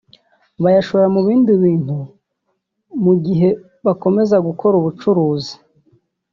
bayashora mu bindi bintu mu gihe bakomeza gukora ubucuruzi